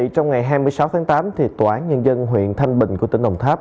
trong ngày hai mươi sáu tháng tám tòa án nhân dân huyện thanh bình của tỉnh đồng tháp